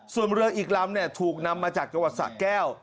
ส่วนเรืออีกลำถูกนำมาจากจังหวัดสะแก้ว